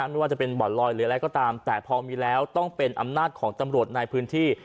ไม่ว่าจะเป็นบ่อนลอยหรืออะไรก็ตามแต่พอมีแล้วต้องเป็นอำนาจของตำรวจในพื้นที่